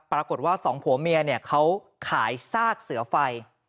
ปรากฏว่าสองผัวเมียเนี่ยเขาขายซากเสือไฟ